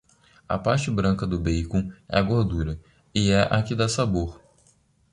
A parte branca do bacon é a gordura, e é a que dá sabor.